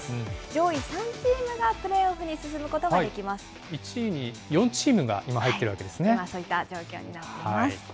上位３チームがプレーオフに進む１位に４チームが今、入って今、そういった状況になっています。